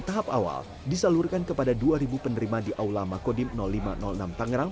tahap awal disalurkan kepada dua ribu penerima di aula makodim lima ratus enam tangerang